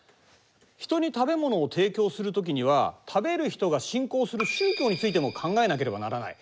人に食べものを提供するときには食べる人が信仰する宗教についても考えなければならない。